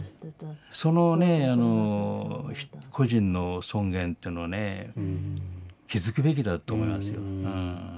そのね個人の尊厳っていうのはね気付くべきだと思いますよ。